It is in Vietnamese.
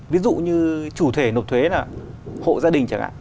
ví dụ như chủ thể nộp thuế là hộ gia đình chẳng hạn